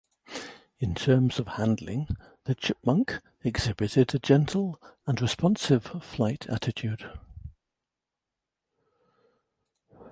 In terms of handling, the Chipmunk exhibited a gentle and responsive flight attitude.